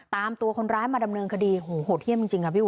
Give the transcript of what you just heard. ตามตัวคนร้ายมาดำเนินคดีโหดเยี่ยมจริงค่ะพี่อุ